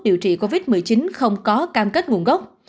điều trị covid một mươi chín không có cam kết nguồn gốc